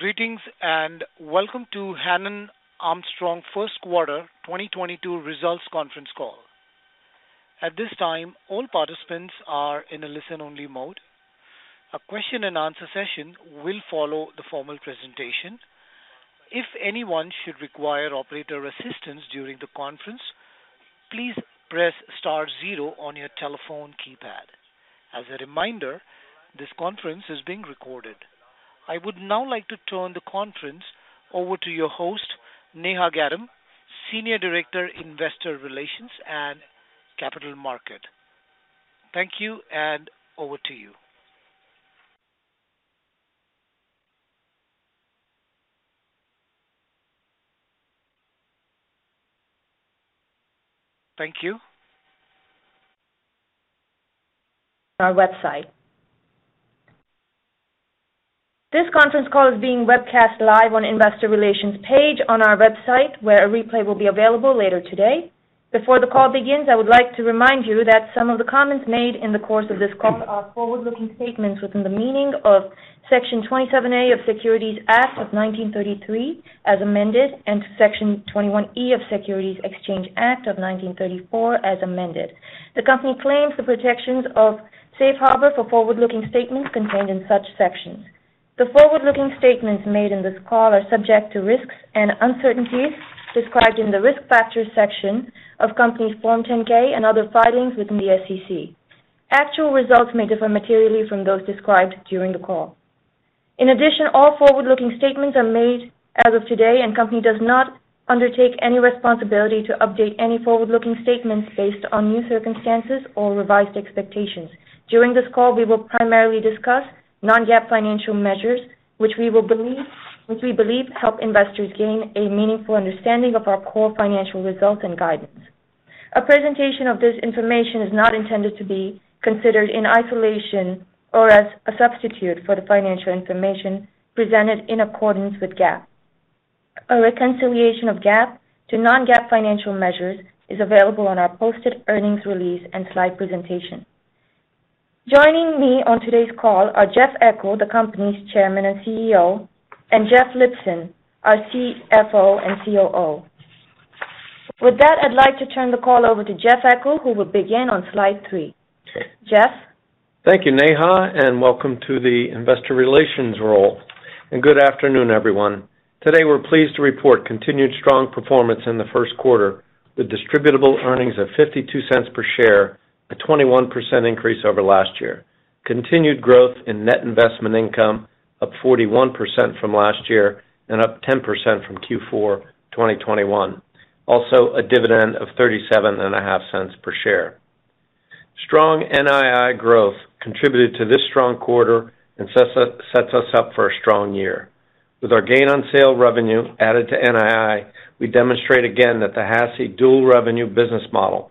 Greetings, and welcome to Hannon Armstrong First Quarter 2022 Results Conference Call. At this time, all participants are in a listen-only mode. A question and answer session will follow the formal presentation. If anyone should require operator assistance during the conference, please press star 0 on your telephone keypad. As a reminder, this conference is being recorded. I would now like to turn the conference over to your host, Neha Gaddam, Senior Director, Investor Relations and Capital Market. Thank you, and over to you. Thank you. Our website. This conference call is being webcast live on Investor Relations page on our website, where a replay will be available later today. Before the call begins, I would like to remind you that some of the comments made in the course of this call are forward-looking statements within the meaning of Section 27A of Securities Act of 1933, as amended, and Section 21E of Securities Exchange Act of 1934, as amended. The company claims the protections of safe harbor for forward-looking statements contained in such sections. The forward-looking statements made in this call are subject to risks and uncertainties described in the Risk Factors section of company's Form 10-K and other filings with the SEC. Actual results may differ materially from those described during the call. In addition, all forward-looking statements are made as of today, and the company does not undertake any responsibility to update any forward-looking statements based on new circumstances or revised expectations. During this call, we will primarily discuss non-GAAP financial measures, which we believe help investors gain a meaningful understanding of our core financial results and guidance. A presentation of this information is not intended to be considered in isolation or as a substitute for the financial information presented in accordance with GAAP. A reconciliation of GAAP to non-GAAP financial measures is available on our posted earnings release and slide presentation. Joining me on today's call are Jeff Eckel, the company's Chairman and CEO, and Jeffrey Lipson, our CFO and COO. With that, I'd like to turn the call over to Jeff Eckel, who will begin on slide three. Jeff? Thank you, Neha, and welcome to the investor relations role, and good afternoon, everyone. Today, we're pleased to report continued strong performance in the first quarter with distributable earnings of $0.52 per share, a 21% increase over last year. Continued growth in net investment income up 41% from last year and up 10% from Q4 2021. Also, a dividend of thirty-seven and a half cents per share. Strong NII growth contributed to this strong quarter and sets us up for a strong year. With our gain on sale revenue added to NII, we demonstrate again that the HASI dual revenue business model,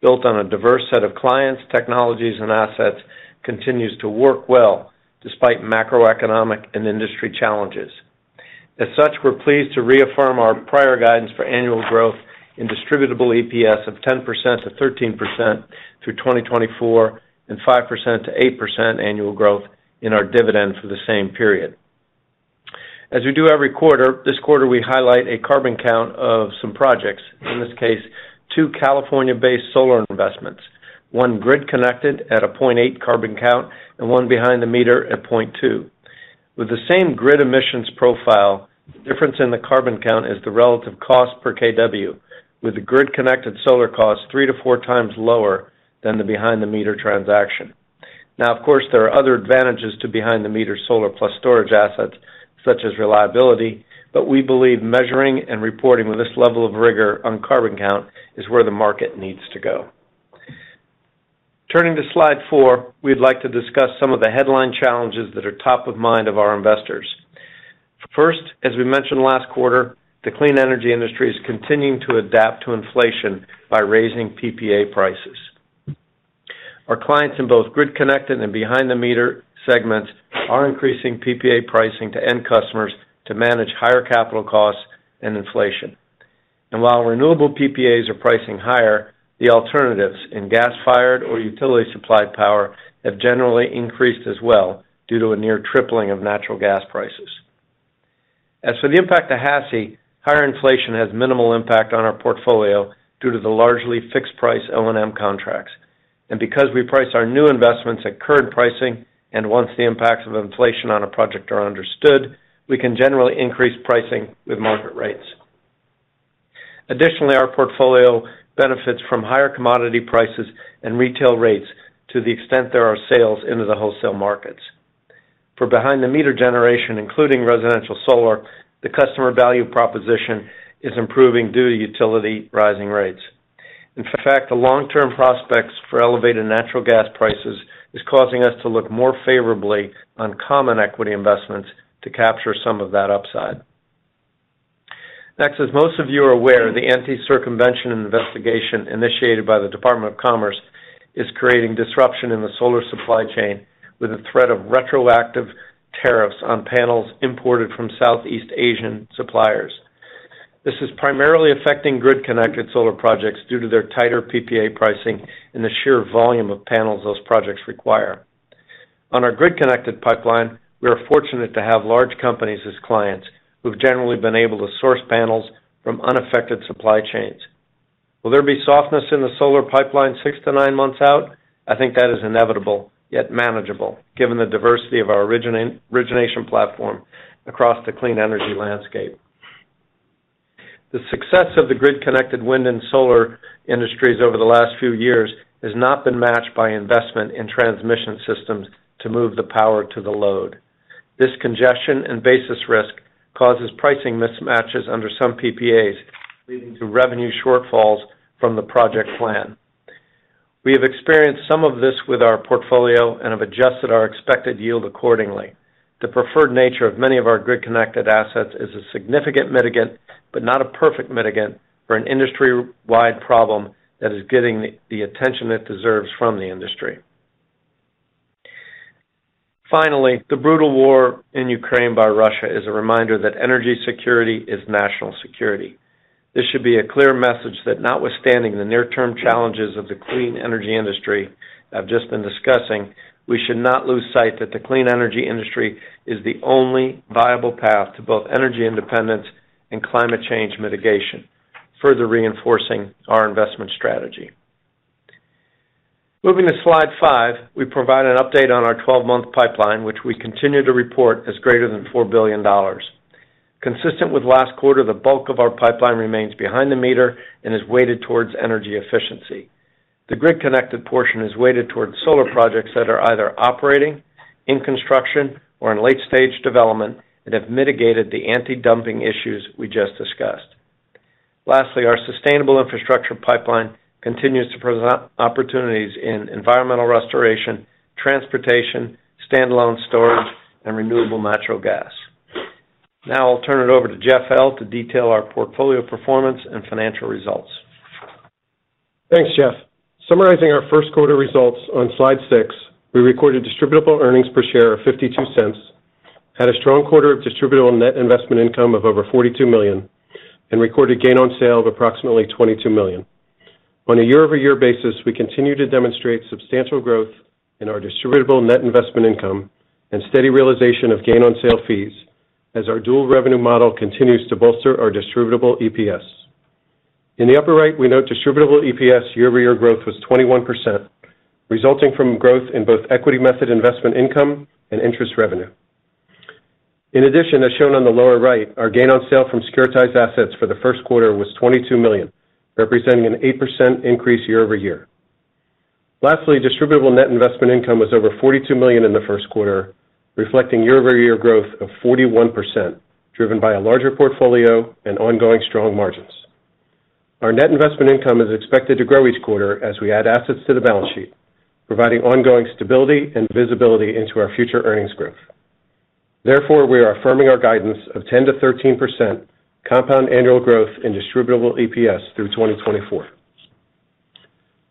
built on a diverse set of clients, technologies, and assets, continues to work well despite macroeconomic and industry challenges. As such, we're pleased to reaffirm our prior guidance for annual growth in distributable EPS of 10%-13% through 2024 and 5%-8% annual growth in our dividend for the same period. As we do every quarter, this quarter we highlight a CarbonCount of some projects, in this case, two California-based solar investments, one grid-connected at a 0.8 CarbonCount and one behind-the-meter at 0.2. With the same grid emissions profile, the difference in the CarbonCount is the relative cost per kW, with the grid-connected solar costs 3-4 times lower than the behind-the-meter transaction. Now, of course, there are other advantages to behind-the-meter solar plus storage assets, such as reliability, but we believe measuring and reporting with this level of rigor on CarbonCount is where the market needs to go. Turning to slide 4, we'd like to discuss some of the headline challenges that are top of mind of our investors. First, as we mentioned last quarter, the clean energy industry is continuing to adapt to inflation by raising PPA prices. Our clients in both grid-connected and behind-the-meter segments are increasing PPA pricing to end customers to manage higher capital costs and inflation. While renewable PPAs are pricing higher, the alternatives in gas-fired or utility-supplied power have generally increased as well due to a near tripling of natural gas prices. As for the impact to HASI, higher inflation has minimal impact on our portfolio due to the largely fixed-price O&M contracts. Because we price our new investments at current pricing, and once the impacts of inflation on a project are understood, we can generally increase pricing with market rates. Additionally, our portfolio benefits from higher commodity prices and retail rates to the extent there are sales into the wholesale markets. For behind-the-meter generation, including residential solar, the customer value proposition is improving due to rising utility rates. In fact, the long-term prospects for elevated natural gas prices is causing us to look more favorably on common equity investments to capture some of that upside. Next, as most of you are aware, the anti-circumvention investigation initiated by the Department of Commerce is creating disruption in the solar supply chain with a threat of retroactive tariffs on panels imported from Southeast Asian suppliers. This is primarily affecting grid-connected solar projects due to their tighter PPA pricing and the sheer volume of panels those projects require. On our grid-connected pipeline, we are fortunate to have large companies as clients who've generally been able to source panels from unaffected supply chains. Will there be softness in the solar pipeline 6-9 months out? I think that is inevitable, yet manageable, given the diversity of our origination platform across the clean energy landscape. The success of the grid-connected wind and solar industries over the last few years has not been matched by investment in transmission systems to move the power to the load. This congestion and basis risk causes pricing mismatches under some PPAs, leading to revenue shortfalls from the project plan. We have experienced some of this with our portfolio and have adjusted our expected yield accordingly. The preferred nature of many of our grid-connected assets is a significant mitigant, but not a perfect mitigant, for an industry-wide problem that is getting the attention it deserves from the industry. Finally, the brutal war in Ukraine by Russia is a reminder that energy security is national security. This should be a clear message that notwithstanding the near-term challenges of the clean energy industry I've just been discussing, we should not lose sight that the clean energy industry is the only viable path to both energy independence and climate change mitigation, further reinforcing our investment strategy. Moving to slide 5, we provide an update on our 12-month pipeline, which we continue to report as greater than $4 billion. Consistent with last quarter, the bulk of our pipeline remains behind-the-meter and is weighted towards energy efficiency. The grid-connected portion is weighted towards solar projects that are either operating, in construction, or in late-stage development, and have mitigated the anti-dumping issues we just discussed. Lastly, our sustainable infrastructure pipeline continues to present opportunities in environmental restoration, transportation, standalone storage, and renewable natural gas. Now I'll turn it over to Jeff L. to detail our portfolio performance and financial results. Thanks, Jeff. Summarizing our first quarter results on slide 6, we recorded distributable earnings per share of $0.52, had a strong quarter of distributable net investment income of over $42 million, and recorded gain on sale of approximately $22 million. On a year-over-year basis, we continue to demonstrate substantial growth in our distributable net investment income and steady realization of gain on sale fees as our dual revenue model continues to bolster our distributable EPS. In the upper right, we note distributable EPS year-over-year growth was 21%, resulting from growth in both equity method investment income and interest revenue. In addition, as shown on the lower right, our gain on sale from securitized assets for the first quarter was $22 million, representing an 8% increase year-over-year. Lastly, distributable net investment income was over $42 million in the first quarter, reflecting year-over-year growth of 41%, driven by a larger portfolio and ongoing strong margins. Our net investment income is expected to grow each quarter as we add assets to the balance sheet, providing ongoing stability and visibility into our future earnings growth. Therefore, we are affirming our guidance of 10%-13% compound annual growth in distributable EPS through 2024.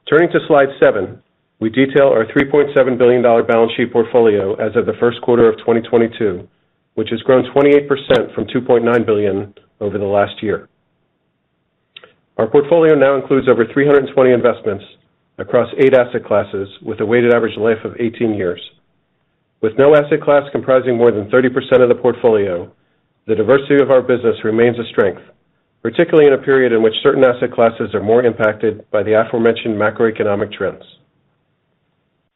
Turning to slide 7, we detail our $3.7 billion balance sheet portfolio as of the first quarter of 2022, which has grown 28% from $2.9 billion over the last year. Our portfolio now includes over 320 investments across eight asset classes with a weighted average life of 18 years. With no asset class comprising more than 30% of the portfolio, the diversity of our business remains a strength, particularly in a period in which certain asset classes are more impacted by the aforementioned macroeconomic trends.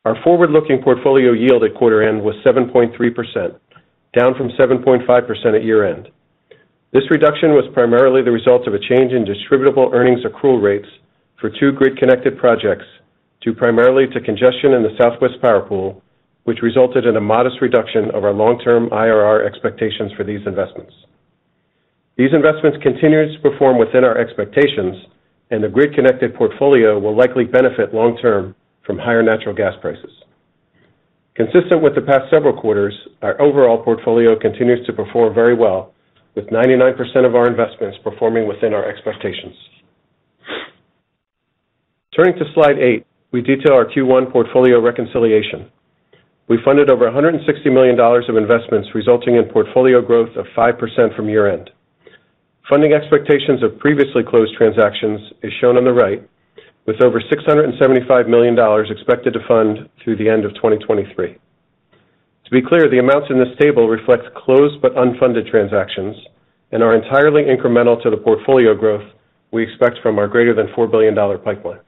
Our forward-looking portfolio yield at quarter end was 7.3%, down from 7.5% at year-end. This reduction was primarily the result of a change in distributable earnings accrual rates for two grid-connected projects, due primarily to congestion in the Southwest Power Pool, which resulted in a modest reduction of our long-term IRR expectations for these investments. These investments continue to perform within our expectations, and the grid-connected portfolio will likely benefit long term from higher natural gas prices. Consistent with the past several quarters, our overall portfolio continues to perform very well, with 99% of our investments performing within our expectations. Turning to slide 8, we detail our Q1 portfolio reconciliation. We funded over $160 million of investments, resulting in portfolio growth of 5% from year end. Funding expectations of previously closed transactions is shown on the right, with over $675 million expected to fund through the end of 2023. To be clear, the amounts in this table reflect closed but unfunded transactions and are entirely incremental to the portfolio growth we expect from our greater than $4 billion pipeline.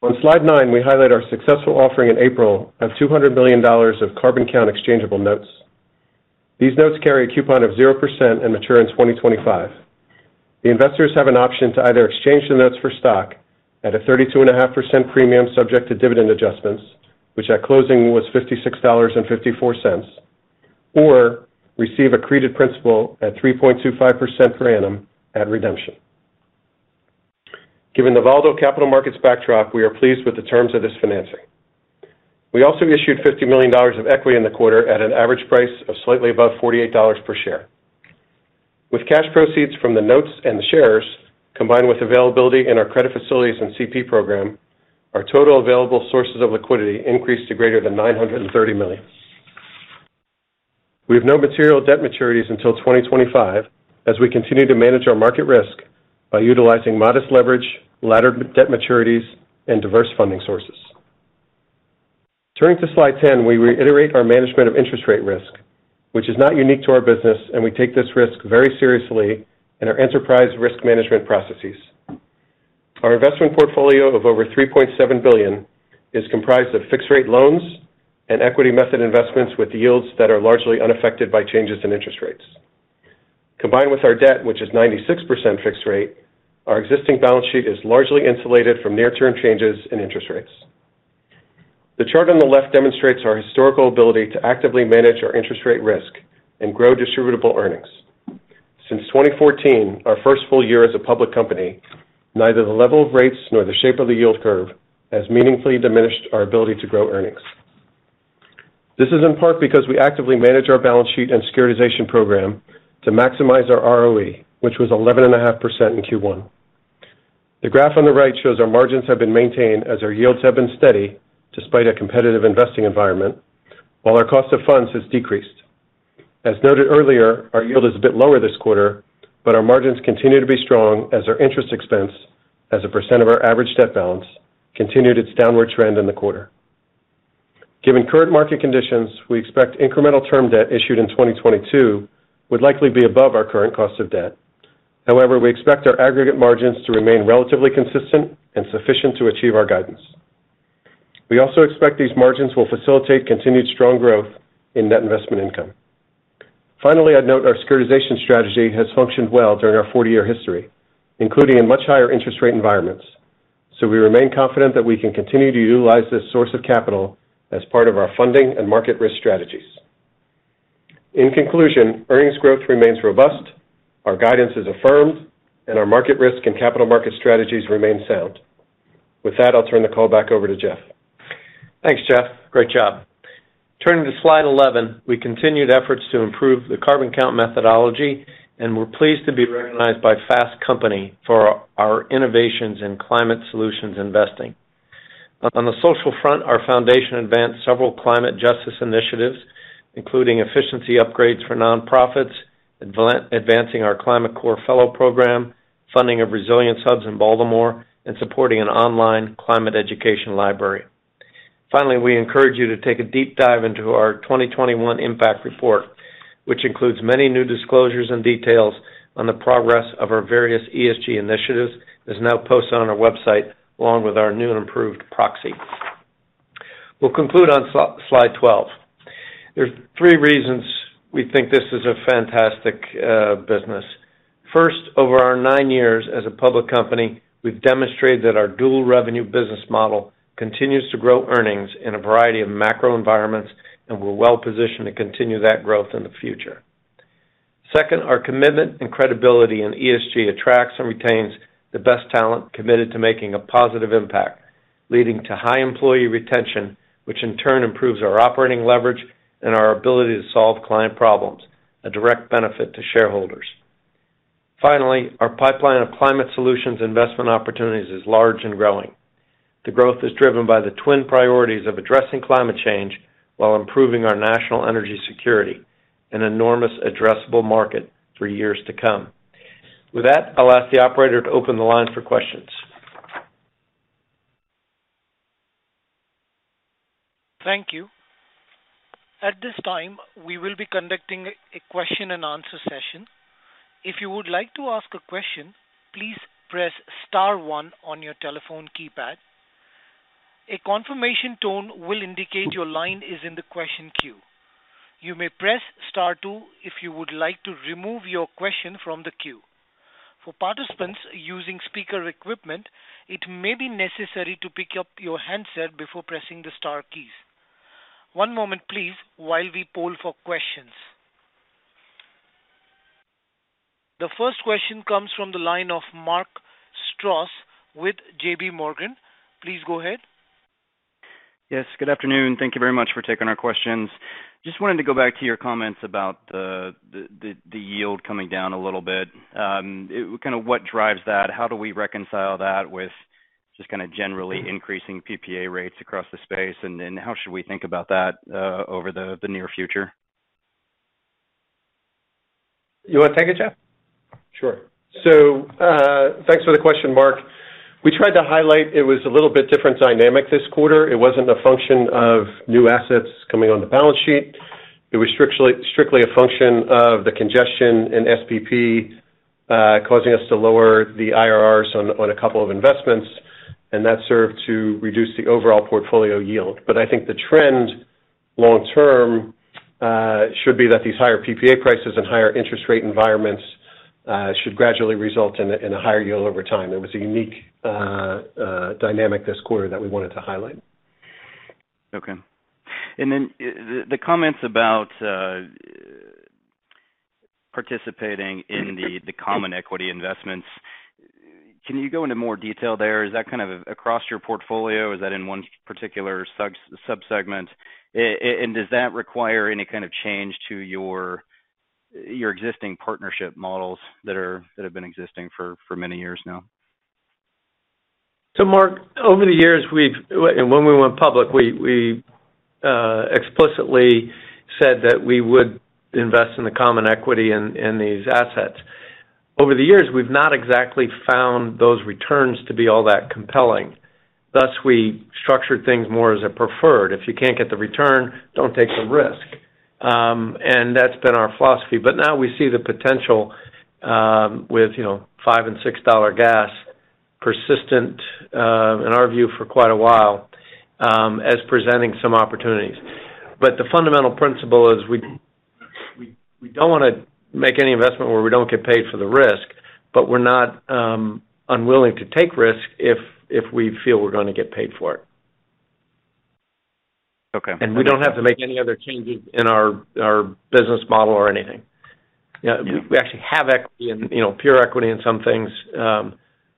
On slide 9, we highlight our successful offering in April of $200 million of CarbonCount exchangeable notes. These notes carry a coupon of 0% and mature in 2025. The investors have an option to either exchange the notes for stock at a 32.5% premium subject to dividend adjustments, which at closing was $56.54, or receive accreted principal at 3.25% per annum at redemption. Given the volatile capital markets backdrop, we are pleased with the terms of this financing. We also issued $50 million of equity in the quarter at an average price of slightly above $48 per share. With cash proceeds from the notes and the shares, combined with availability in our credit facilities and CP program, our total available sources of liquidity increased to greater than $930 million. We have no material debt maturities until 2025 as we continue to manage our market risk by utilizing modest leverage, laddered debt maturities, and diverse funding sources. Turning to slide 10, we reiterate our management of interest rate risk, which is not unique to our business, and we take this risk very seriously in our enterprise risk management processes. Our investment portfolio of over $3.7 billion is comprised of fixed rate loans and equity method investments with yields that are largely unaffected by changes in interest rates. Combined with our debt, which is 96% fixed rate, our existing balance sheet is largely insulated from near-term changes in interest rates. The chart on the left demonstrates our historical ability to actively manage our interest rate risk and grow distributable earnings. Since 2014, our first full year as a public company, neither the level of rates nor the shape of the yield curve has meaningfully diminished our ability to grow earnings. This is in part because we actively manage our balance sheet and securitization program to maximize our ROE, which was 11.5% in Q1. The graph on the right shows our margins have been maintained as our yields have been steady despite a competitive investing environment while our cost of funds has decreased. As noted earlier, our yield is a bit lower this quarter, but our margins continue to be strong as our interest expense as a percent of our average debt balance continued its downward trend in the quarter. Given current market conditions, we expect incremental term debt issued in 2022 would likely be above our current cost of debt. However, we expect our aggregate margins to remain relatively consistent and sufficient to achieve our guidance. We also expect these margins will facilitate continued strong growth in net investment income. Finally, I'd note our securitization strategy has functioned well during our 40-year history, including in much higher interest rate environments. We remain confident that we can continue to utilize this source of capital as part of our funding and market risk strategies. In conclusion, earnings growth remains robust, our guidance is affirmed, and our market risk and capital market strategies remain sound. With that, I'll turn the call back over to Jeff. Thanks, Jeff. Great job. Turning to slide 11, we continued efforts to improve the CarbonCount methodology, and we're pleased to be recognized by Fast Company for our innovations in climate solutions investing. On the social front, our foundation advanced several climate justice initiatives, including efficiency upgrades for nonprofits, advancing our Climate Corps Fellow program, funding of resilience hubs in Baltimore, and supporting an online climate education library. Finally, we encourage you to take a deep dive into our 2021 impact report, which includes many new disclosures and details on the progress of our various ESG initiatives that's now posted on our website along with our new and improved proxy. We'll conclude on slide 12. There's three reasons we think this is a fantastic business. First, over our nine years as a public company, we've demonstrated that our dual revenue business model continues to grow earnings in a variety of macro environments, and we're well positioned to continue that growth in the future. Second, our commitment and credibility in ESG attracts and retains the best talent committed to making a positive impact, leading to high employee retention, which in turn improves our operating leverage and our ability to solve client problems, a direct benefit to shareholders. Finally, our pipeline of climate solutions investment opportunities is large and growing. The growth is driven by the twin priorities of addressing climate change while improving our national energy security, an enormous addressable market for years to come. With that, I'll ask the operator to open the line for questions. Thank you. At this time, we will be conducting a question and answer session. If you would like to ask a question, please press star 1 on your telephone keypad. A confirmation tone will indicate your line is in the question queue. You may press star 2 if you would like to remove your question from the queue. For participants using speaker equipment, it may be necessary to pick up your handset before pressing the star keys. One moment, please, while we poll for questions. The first question comes from the line of Mark Strouse with J.P. Morgan. Please go ahead. Yes, good afternoon. Thank you very much for taking our questions. Just wanted to go back to your comments about the yield coming down a little bit. Kind of what drives that? How do we reconcile that with just kind of generally increasing PPA rates across the space? And then how should we think about that over the near future? You want to take it, Jeff? Sure. Thanks for the question, Mark. We tried to highlight it was a little bit different dynamic this quarter. It wasn't a function of new assets coming on the balance sheet. It was strictly a function of the congestion in SPP, causing us to lower the IRRs on a couple of investments, and that served to reduce the overall portfolio yield. But I think the trend long term should be that these higher PPA prices and higher interest rate environments should gradually result in a higher yield over time. It was a unique dynamic this quarter that we wanted to highlight. The comments about participating in the common equity investments, can you go into more detail there? Is that kind of across your portfolio? Is that in one particular subsegment? And does that require any kind of change to your existing partnership models that have been existing for many years now? Mark, over the years, when we went public, we explicitly said that we would invest in the common equity in these assets. Over the years, we've not exactly found those returns to be all that compelling. Thus, we structured things more as a preferred. If you can't get the return, don't take the risk. That's been our philosophy. Now we see the potential with you know $5 and $6 gas persistent in our view for quite a while as presenting some opportunities. The fundamental principle is we don't wanna make any investment where we don't get paid for the risk, but we're not unwilling to take risk if we feel we're gonna get paid for it. Okay. We don't have to make any other changes in our business model or anything. Yeah, we actually have equity and, you know, pure equity in some things,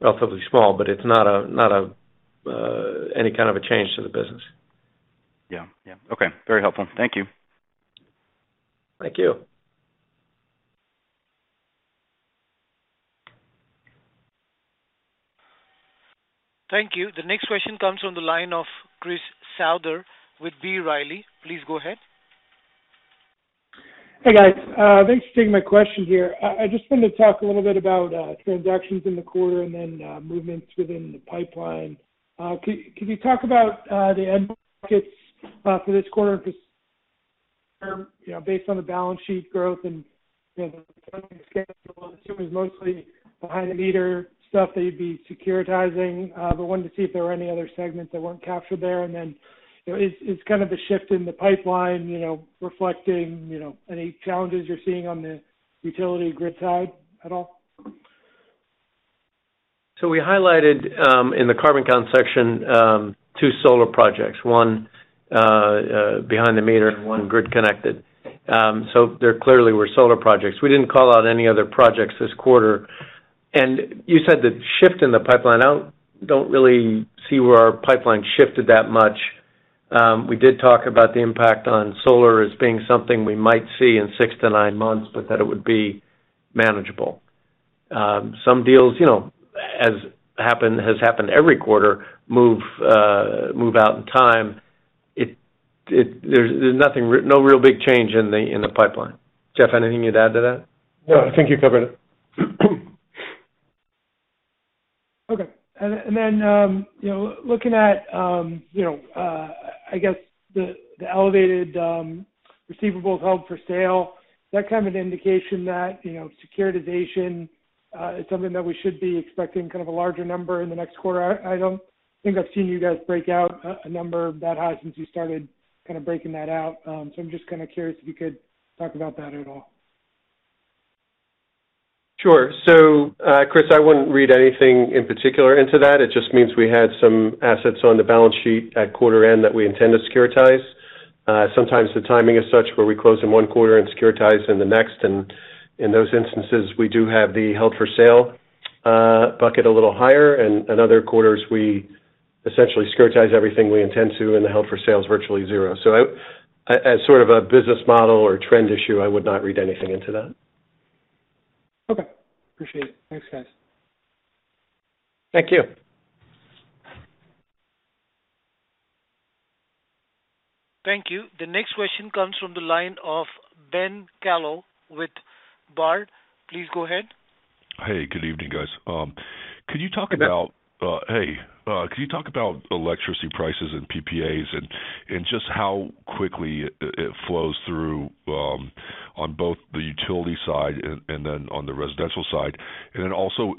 relatively small, but it's not any kind of a change to the business. Yeah. Yeah. Okay. Very helpful. Thank you. Thank you. Thank you. The next question comes from the line of Christopher Souther with B. Riley. Please go ahead. Hey, guys. Thanks for taking my question here. I just wanted to talk a little bit about transactions in the quarter and then movements within the pipeline. Can you talk about the end markets for this quarter just, you know, based on the balance sheet growth and, you know, the funding scale? I assume it's mostly behind-the-meter stuff that you'd be securitizing. But wanted to see if there were any other segments that weren't captured there. Is kind of the shift in the pipeline, you know, reflecting, you know, any challenges you're seeing on the utility grid side at all? We highlighted in the CarbonCount section two solar projects, one behind-the-meter and one grid-connected. There clearly were solar projects. We didn't call out any other projects this quarter. You said the shift in the pipeline. I don't really see where our pipeline shifted that much. We did talk about the impact on solar as being something we might see in 6-9 months, but that it would be manageable. Some deals, you know, as has happened every quarter, move out in time. There's no real big change in the pipeline. Jeff, anything you'd add to that? No, I think you covered it. Okay. You know, looking at, you know, I guess the elevated receivables held for sale, is that kind of an indication that, you know, securitization is something that we should be expecting kind of a larger number in the next quarter? I don't think I've seen you guys break out a number that high since you started kind of breaking that out. I'm just kind of curious if you could talk about that at all. Sure. Chris, I wouldn't read anything in particular into that. It just means we had some assets on the balance sheet at quarter end that we intend to securitize. Sometimes the timing is such where we close in one quarter and securitize in the next. In those instances, we do have the held for sale bucket a little higher. Other quarters we essentially securitize everything we intend to, and the held for sale is virtually zero. I, as sort of a business model or trend issue, I would not read anything into that. Okay. Appreciate it. Thanks, guys. Thank you. Thank you. The next question comes from the line of Ben Kallo with Baird. Please go ahead. Hey, good evening, guys. Could you talk about- Ben? Hey, could you talk about electricity prices and PPAs and just how quickly it flows through on both the utility side and then on the residential side? Also,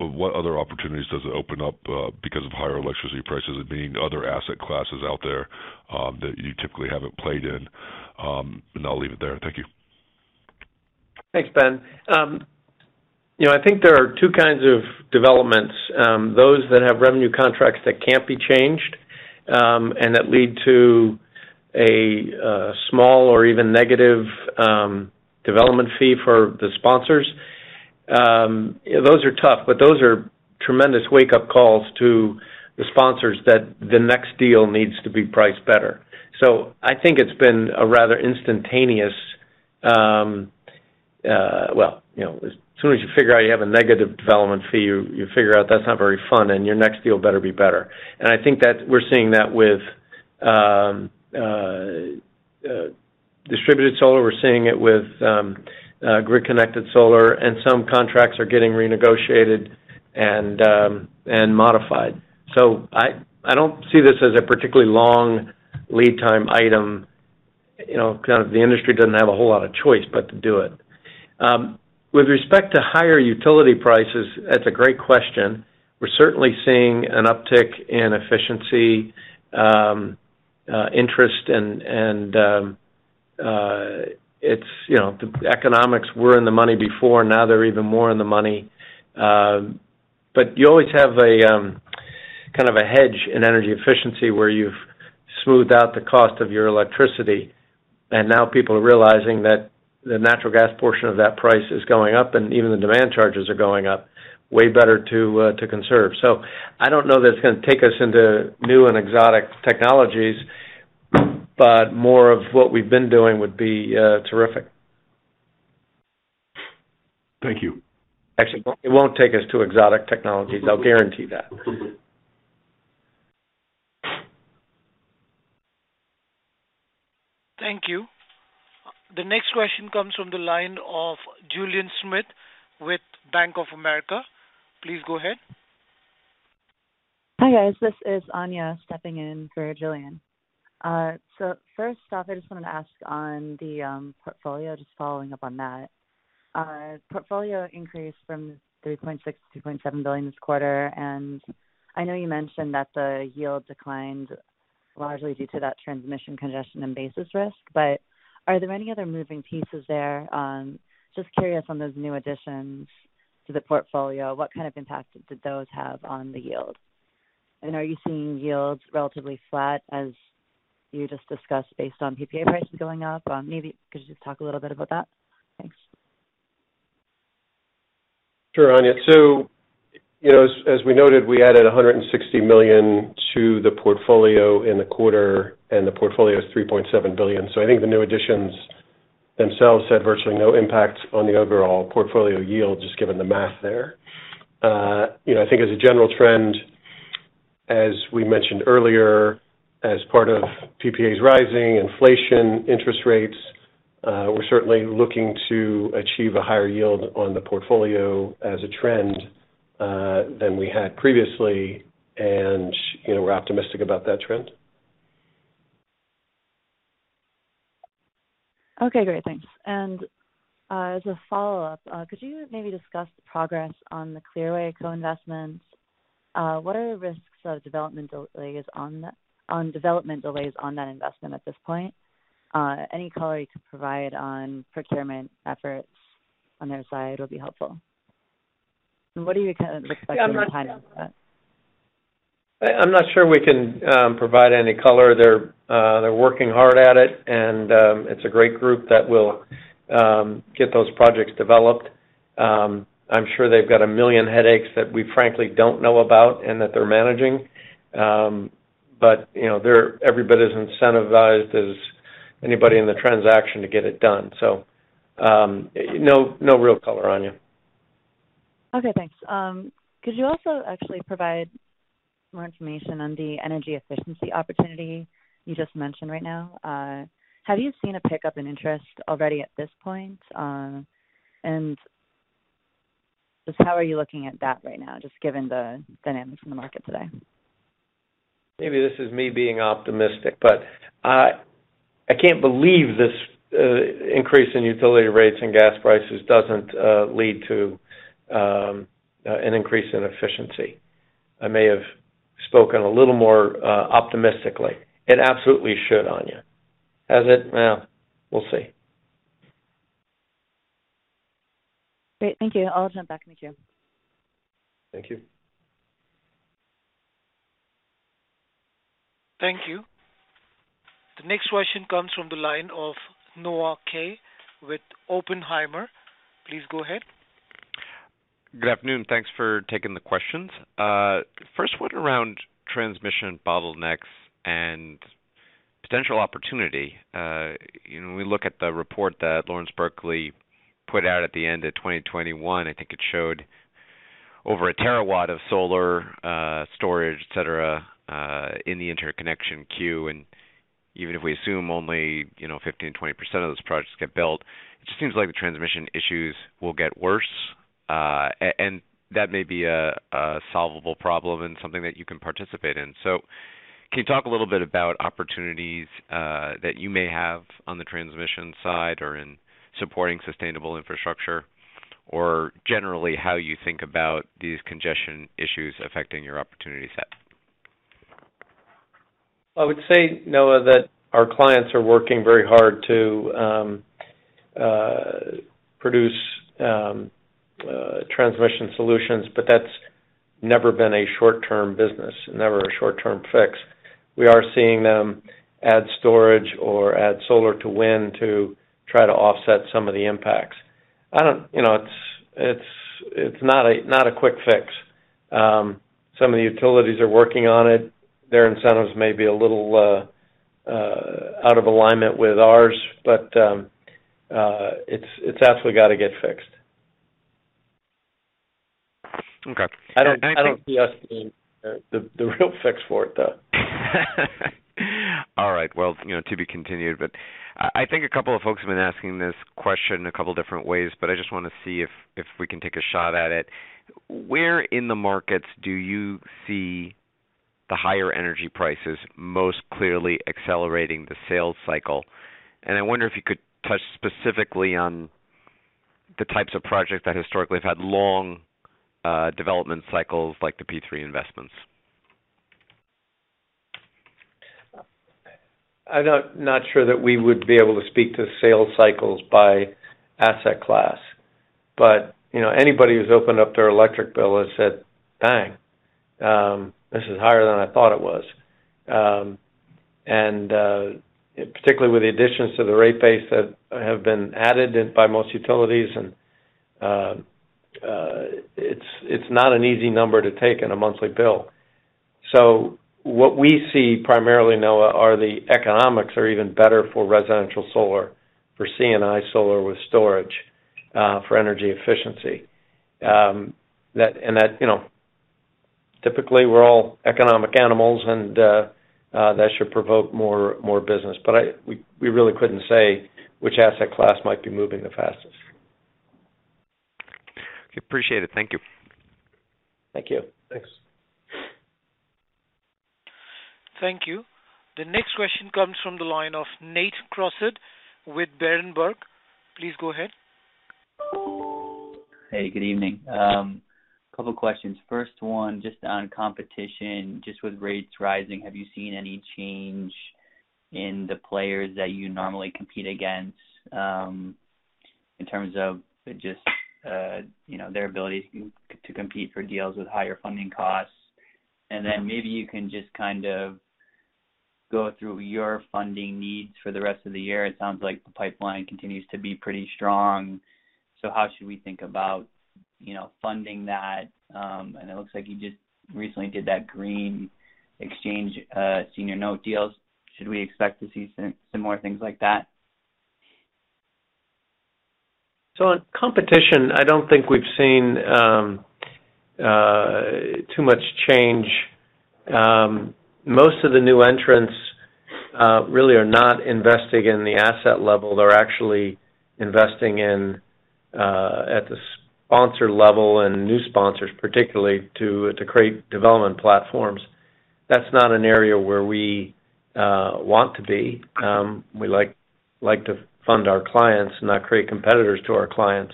what other opportunities does it open up because of higher electricity prices and being other asset classes out there that you typically haven't played in? I'll leave it there. Thank you. Thanks, Ben. You know, I think there are two kinds of developments, those that have revenue contracts that can't be changed, and that lead to a small or even negative development fee for the sponsors. Those are tough, but those are tremendous wake-up calls to the sponsors that the next deal needs to be priced better. I think it's been a rather instantaneous, well, you know, as soon as you figure out you have a negative development fee, you figure out that's not very fun, and your next deal better be better. I think that we're seeing that with distributed solar. We're seeing it with grid-connected solar, and some contracts are getting renegotiated and modified. I don't see this as a particularly long lead time item. You know, kind of the industry doesn't have a whole lot of choice but to do it. With respect to higher utility prices, that's a great question. We're certainly seeing an uptick in efficiency interest. It's, you know, the economics were in the money before, now they're even more in the money. You always have a kind of a hedge in energy efficiency where you've smoothed out the cost of your electricity, and now people are realizing that the natural gas portion of that price is going up and even the demand charges are going up, way better to conserve. I don't know that it's gonna take us into new and exotic technologies, but more of what we've been doing would be terrific. Thank you. Actually, it won't take us to exotic technologies. I'll guarantee that. Thank you. The next question comes from the line of Julien Dumoulin-Smith with Bank of America. Please go ahead. Hi, guys. This is Anya stepping in for Julien. First off, I just wanted to ask on the portfolio, just following up on that. Portfolio increased from $3.6 billion-$3.7 billion this quarter. I know you mentioned that the yield declined largely due to that transmission congestion and basis risk. Are there any other moving pieces there? Just curious on those new additions to the portfolio, what kind of impact did those have on the yield? Are you seeing yields relatively flat as you just discussed based on PPA prices going up? Maybe could you just talk a little bit about that? Thanks. Sure, Anya. You know, as we noted, we added $160 million to the portfolio in the quarter, and the portfolio is $3.7 billion. I think the new additions themselves had virtually no impact on the overall portfolio yield, just given the math there. You know, I think as a general trend, as we mentioned earlier, as part of PPAs rising, inflation, interest rates, we're certainly looking to achieve a higher yield on the portfolio as a trend than we had previously, and, you know, we're optimistic about that trend. Okay, great. Thanks. As a follow-up, could you maybe discuss the progress on the Clearway co-investments? What are the risks of development delays on that investment at this point? Any color you could provide on procurement efforts on their side will be helpful. What are you kind of expecting the time on that? I'm not sure we can provide any color. They're working hard at it, and it's a great group that will get those projects developed. I'm sure they've got a million headaches that we frankly don't know about and that they're managing. You know, everybody's incentivized as anybody in the transaction to get it done. No real color, Anya. Okay, thanks. Could you also actually provide more information on the energy efficiency opportunity you just mentioned right now? Just how are you looking at that right now, just given the dynamics in the market today? Maybe this is me being optimistic, but I can't believe this increase in utility rates and gas prices doesn't lead to an increase in efficiency. I may have spoken a little more optimistically. It absolutely should, Anya. Has it? Well, we'll see. Great. Thank you. I'll jump back in the queue. Thank you. Thank you. The next question comes from the line of Noah Kaye with Oppenheimer. Please go ahead. Good afternoon. Thanks for taking the questions. First one around transmission bottlenecks and potential opportunity. You know, when we look at the report that Lawrence Berkeley put out at the end of 2021, I think it showed over a terawatt of solar, storage, et cetera, in the interconnection queue. Even if we assume only, you know, 15%-20% of those projects get built, it just seems like the transmission issues will get worse. That may be a solvable problem and something that you can participate in. Can you talk a little bit about opportunities that you may have on the transmission side or in supporting sustainable infrastructure, or generally how you think about these congestion issues affecting your opportunity set? I would say, Noah, that our clients are working very hard to produce transmission solutions, but that's never been a short-term business, never a short-term fix. We are seeing them add storage or add solar to wind to try to offset some of the impacts. You know, it's not a quick fix. Some of the utilities are working on it. Their incentives may be a little out of alignment with ours, but it's absolutely got to get fixed. Okay. I think- I don't see us being the real fix for it, though. All right. Well, you know, to be continued. I think a couple of folks have been asking this question a couple different ways, but I just want to see if we can take a shot at it. Where in the markets do you see the higher energy prices most clearly accelerating the sales cycle? I wonder if you could touch specifically on the types of projects that historically have had long development cycles, like the P3 investments. I'm not sure that we would be able to speak to sales cycles by asset class. You know, anybody who's opened up their electric bill has said, "Bang, this is higher than I thought it was." Particularly with the additions to the rate base that have been added in by most utilities, it's not an easy number to take in a monthly bill. So what we see primarily, Noah, are the economics are even better for residential solar, for C&I solar with storage, for energy efficiency. That you know, typically, we're all economic animals and that should provoke more business. We really couldn't say which asset class might be moving the fastest. Okay. Appreciate it. Thank you. Thank you. Thanks. Thank you. The next question comes from the line of Nate Crossett with Berenberg. Please go ahead. Hey, good evening. Couple questions. First one, just on competition, just with rates rising, have you seen any change in the players that you normally compete against, in terms of just, you know, their ability to compete for deals with higher funding costs? Maybe you can just kind of go through your funding needs for the rest of the year. It sounds like the pipeline continues to be pretty strong, so how should we think about, you know, funding that? It looks like you just recently did that green exchangeable senior note deals. Should we expect to see similar things like that? On competition, I don't think we've seen too much change. Most of the new entrants really are not investing in the asset level. They're actually investing in at the sponsor level and new sponsors, particularly to create development platforms. That's not an area where we want to be. We like to fund our clients, not create competitors to our clients.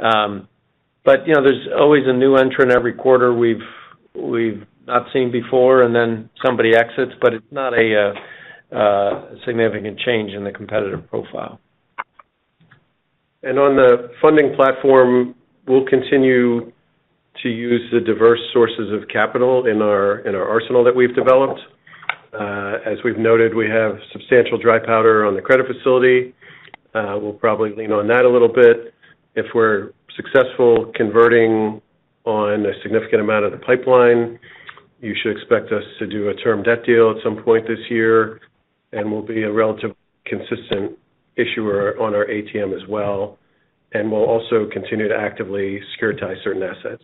But you know, there's always a new entrant every quarter we've not seen before and then somebody exits, but it's not a significant change in the competitive profile. On the funding platform, we'll continue to use the diverse sources of capital in our arsenal that we've developed. As we've noted, we have substantial dry powder on the credit facility. We'll probably lean on that a little bit. If we're successful converting on a significant amount of the pipeline, you should expect us to do a term debt deal at some point this year, and we'll be relatively consistent issuer on our ATM as well. We'll also continue to actively securitize certain assets.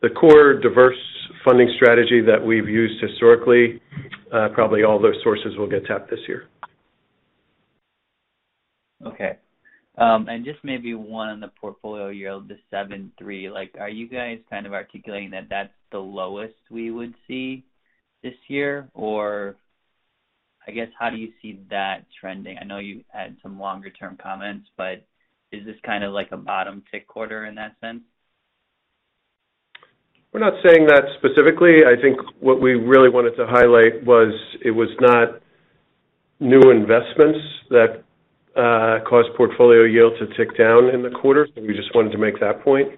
The core diverse funding strategy that we've used historically, probably all those sources will get tapped this year. Okay. Just maybe one on the portfolio yield, the 7.3, like, are you guys kind of articulating that that's the lowest we would see this year? Or I guess, how do you see that trending? I know you had some longer term comments, but is this kind of like a bottom tick quarter in that sense? We're not saying that specifically. I think what we really wanted to highlight was it was not new investments that caused portfolio yield to tick down in the quarter. We just wanted to make that point.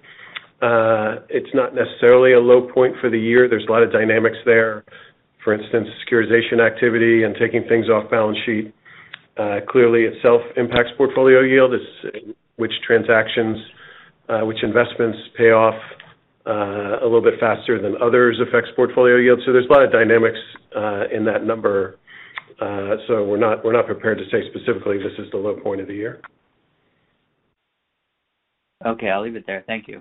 It's not necessarily a low point for the year. There's a lot of dynamics there. For instance, securitization activity and taking things off balance sheet clearly itself impacts portfolio yield, which transactions, which investments pay off a little bit faster than others affects portfolio yield. There's a lot of dynamics in that number. We're not prepared to say specifically this is the low point of the year. Okay. I'll leave it there. Thank you.